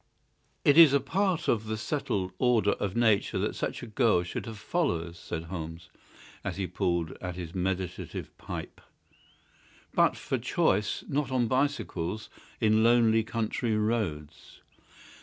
"It is part of the settled order of Nature that such a girl should have followers," said Holmes, as he pulled at his meditative pipe, "but for choice not on bicycles in lonely country roads.